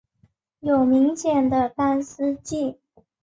有明显的干湿季。